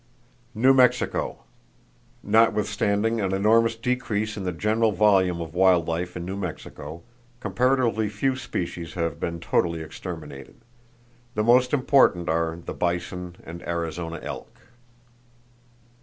New Mexico: Notwithstanding an enormous decrease in the general volume of wild life in New Mexico, comparatively few species have been totally exterminated. The most important are the bison and Arizona elk.